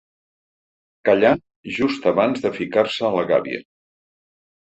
Callà just abans de ficar-se a la gàbia.